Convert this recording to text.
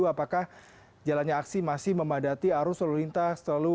apakah jalannya aksi masih memadati arus lalu lintas